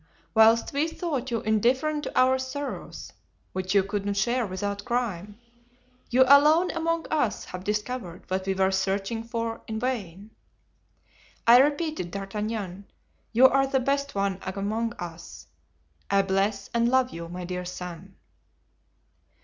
Whilst we thought you indifferent to our sorrows, which you couldn't share without crime, you alone among us have discovered what we were searching for in vain. I repeat it, D'Artagnan, you are the best one among us; I bless and love you, my dear son."